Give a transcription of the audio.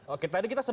oke tadi kita sebut